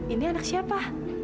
ini anak siapa